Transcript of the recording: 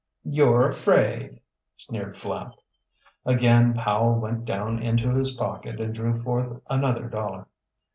"You're afraid," sneered Flapp. Again Powell went down into his pocket and drew forth another dollar.